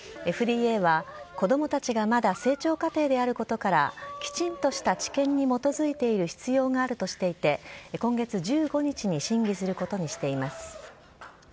ＦＤＡは、子どもたちがまだ成長過程であることから、きちんとした治験に基づいている必要があるとしていて、今月１５日に審議することにしています。